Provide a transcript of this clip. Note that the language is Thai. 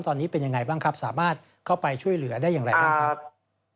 ตอนนี้เป็นยังไงบ้างครับสามารถเข้าไปช่วยเหลือได้อย่างไรบ้างครับ